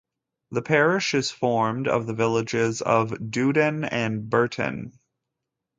The parish is formed of the villages of Duddon and Burton.